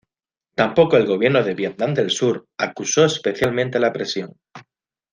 Tampoco el gobierno de Vietnam del Sur acusó especialmente la presión.